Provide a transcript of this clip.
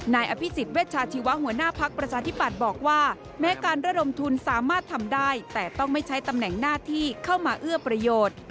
นายอภิษฎเวชาชีวะหัวหน้าภักดิ์ประชาธิปัตย์บอกว่าแม้การระดมทุนสามารถทำได้แต่ต้องไม่ใช้ตำแหน่งหน้าที่เข้ามาเอื้อประโยชน์